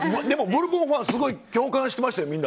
でもブルボンファンすごいみんな共感してましたよ。